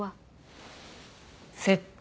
窃盗。